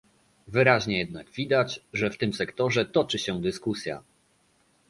Wyraźnie jednak widać, że w tym sektorze toczy się dyskusja